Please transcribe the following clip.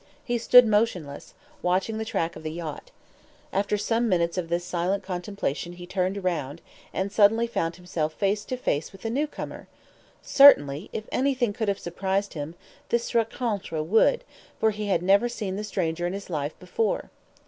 He stood motionless, watching the track of the yacht. After some minutes of this silent contemplation he turned round, and suddenly found himself face to face with a new comer. Certainly, if any thing could have surprised him, this RENCONTRE would, for he had never seen the stranger in his life before.